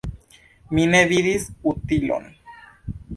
Mi ne vidis utilon.